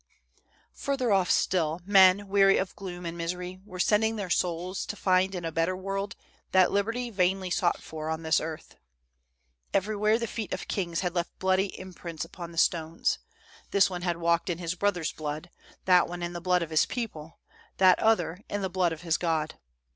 "Further off still, men, weary of gloom and misery, were sending their souls to find in a better world that liberty vainly sought for on this earth. "Everywhere, the feet of kings had left bloody im prints upon the stones. This one had walked in his brother's blood ; that one in the blood of his people ; that other in the blood of his god.